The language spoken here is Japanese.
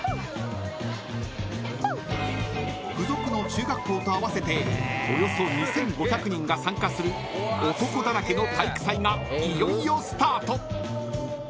［付属の中学校と合わせておよそ２，５００人が参加する男だらけの体育祭がいよいよスタート］